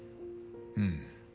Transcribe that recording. うん。